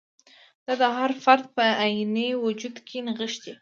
دا د هر فرد په عیني وجود کې نغښتی.